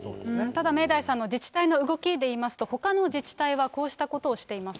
ただ、明大さんの自治体の動きでいいますと、ほかの自治体は、こうしたことをしています。